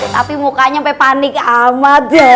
tapi mukanya sampai panik amat